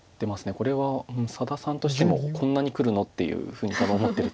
これは佐田さんとしても「こんなにくるの？」っていうふうに多分思ってると思います。